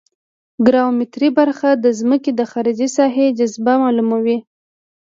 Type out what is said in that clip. ګراومتري برخه د ځمکې د خارجي ساحې جاذبه معلوموي